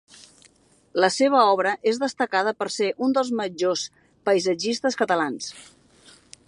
La seva obra és destacada per ser un dels majors paisatgistes catalans.